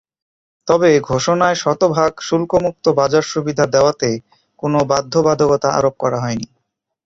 তবে ঘোষণায় শতভাগ শুল্কমুক্ত বাজারসুবিধা দেওয়াতে কোনো বাধ্যবাধকতা আরোপ করা হয়নি।